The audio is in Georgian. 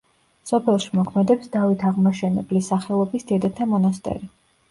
სოფელში მოქმედებს დავით აღმაშენებლის სახელობის დედათა მონასტერი.